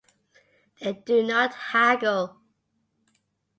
They do not haggle.